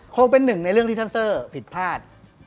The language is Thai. คงเป็นหนึ่งในเรื่องที่ท่านเซอร์ผิดพลาด